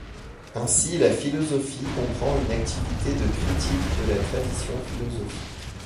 Ainsi la philosophie comprend une activité de critique de la tradition philosophique.